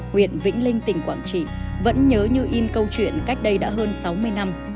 huyện vĩnh linh tỉnh quảng trị vẫn nhớ như in câu chuyện cách đây đã hơn sáu mươi năm